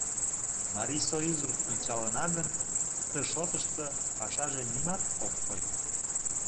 Марисоюзым ончалына гын, ты шотышто пашаже нимат ок кой.